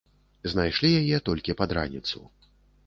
Знайшлі яе толькі пад раніцу.